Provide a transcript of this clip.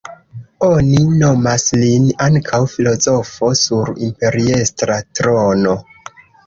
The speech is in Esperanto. Oni nomas lin ankaŭ "filozofo sur imperiestra trono".